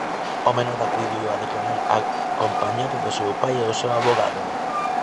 O menor acudiu a declarar acompañado do seu pai e o seu avogado.